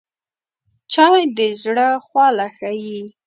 چای د زړه خواله ښيي